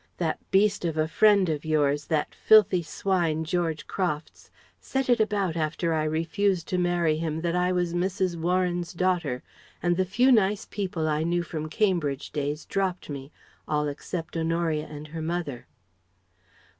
That beast of a friend of yours that filthy swine, George Crofts set it about after I refused to marry him that I was 'Mrs. Warren's Daughter,' and the few nice people I knew from Cambridge days dropped me, all except Honoria and her mother."